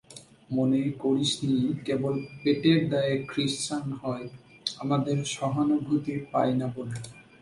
মনে করিসনি কেবল পেটের দায়ে ক্রিশ্চান হয়, আমাদের সহানুভূতি পায় না বলে।